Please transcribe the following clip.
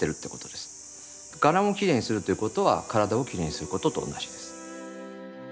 伽藍をきれいにするということは体をきれいにすることと同じです。